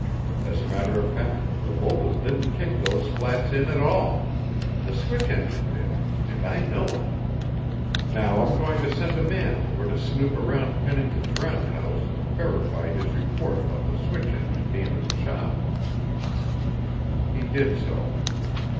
As a matter of fact, the mogul didn't kick those flats in at all. The switch engine did and I know it. Now I'm going to send a man over to snoop around Pennington's roundhouse and verify his report about the switch engine being in the shop." He did so.